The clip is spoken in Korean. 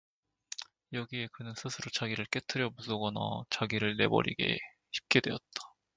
여기에 그는 스스로 자기를 깨뜨려 부수거나 자기를 내버리기 쉽게 되었다.